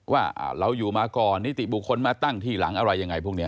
ว่าเราอยู่มาก่อนนิติบุคคลมาตั้งที่หลังอะไรยังไงพวกนี้